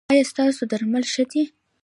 ایا ستاسو درمل ښه دي؟